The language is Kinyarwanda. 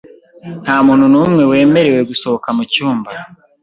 Nta muntu n'umwe wemerewe gusohoka mu cyumba .